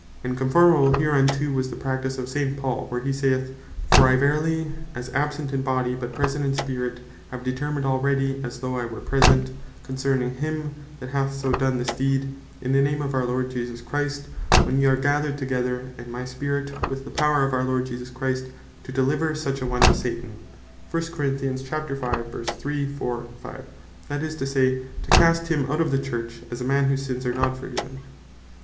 And comformable hereunto was the practise of St. Paul (1 Cor. 5.3, 4, & 5.) where he saith, "For I verily, as absent in body, but present in spirit, have determined already, as though I were present, concerning him that hath so done this deed; In the name of our Lord Jesus Christ when ye are gathered together, and my spirit, with the power of our Lord Jesus Christ, To deliver such a one to Satan;" that is to say, to cast him out of the Church, as a man whose Sins are not Forgiven.